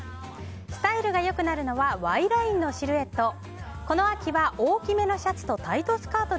スタイルが良くなるのはＹラインのシルエット。